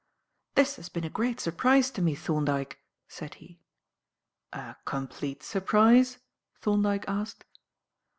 "This has been a great surprise to me, Thorndyke," said he. "A complete surprise?" Thorndyke asked.